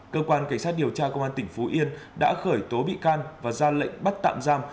cơ quan cảnh sát điều tra công an tỉnh phú yên đã khởi tố bị can và ra lệnh bắt tạm giam